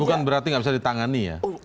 bukan berarti nggak bisa ditangani ya